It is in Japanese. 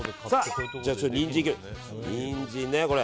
ニンジンね、これ。